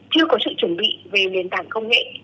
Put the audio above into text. chưa có sự chuẩn bị về nền tảng công nghệ